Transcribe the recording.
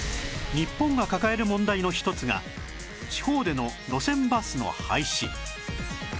日本が抱える問題の一つが地方での路線バスの廃止